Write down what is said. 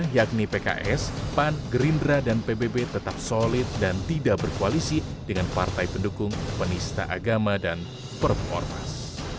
yakni pks pan gerindra dan pbb tetap solid dan tidak berkoalisi dengan partai pendukung penista agama dan perpu ormas